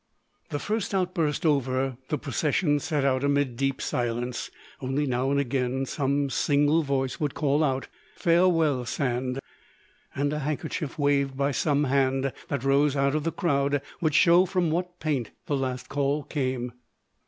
This first outburst over, the procession set out amid deep silence; only now and again same single voice would call out, "Farewell, Sand!" and a handkerchief waved by some hand that rose out of the crowd would show from what paint the last call came.